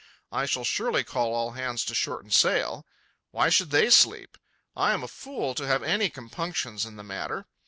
I shall surely call all hands to shorten sail. Why should they sleep? I am a fool to have any compunctions in the matter.